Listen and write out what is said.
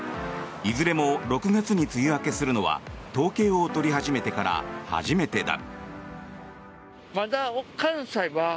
いずれも６月に梅雨明けするのは統計を取り始めてから初めてだ。